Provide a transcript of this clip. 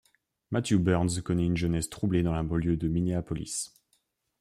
Matthew Burns connait une jeunesse troublée dans la banlieue de Minneapolis.